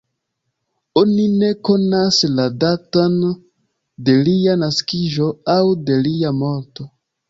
Oni ne konas la daton de lia naskiĝo aŭ de lia morto.